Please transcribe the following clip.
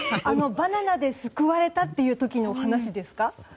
バナナで救われたっていう時の話ですか？